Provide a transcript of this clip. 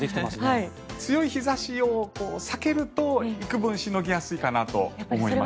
強い日差しを避けると幾分しのぎやすいかなと思います。